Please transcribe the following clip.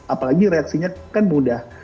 apalagi reaksinya kan mudah